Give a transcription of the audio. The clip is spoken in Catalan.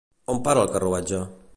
On para el carruatge?